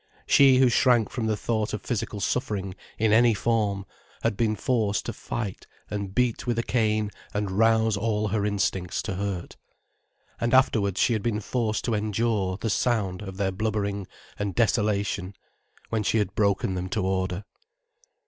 She who shrank from the thought of physical suffering in any form, had been forced to fight and beat with a cane and rouse all her instincts to hurt. And afterwards she had been forced to endure the sound of their blubbering and desolation, when she had broken them to order.